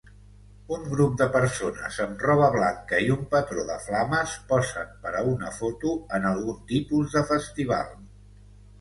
Un grup de persones amb roba blanca i un patró de flames posen per a una foto en algun tipus de festival.